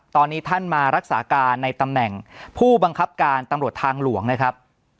ตอนนี้ท่านมารักษาการในตำแหน่งผู้บังคับการตำรวจทางหลวงนะครับ